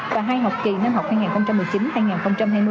và hai học kỳ năm học hai nghìn một mươi chín hai nghìn hai mươi